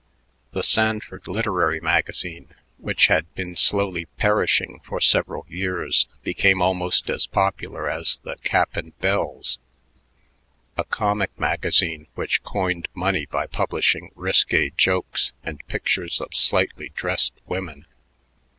The "Sanford Literary Magazine," which had been slowly perishing for several years, became almost as popular as the "Cap and Bells," the comic magazine, which coined money by publishing risque jokes and pictures of slightly dressed women.